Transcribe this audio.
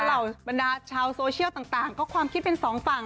เหล่าบรรดาชาวโซเชียลต่างก็ความคิดเป็นสองฝั่ง